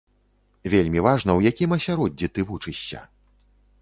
Вельмі важна, у якім асяроддзі ты вучышся.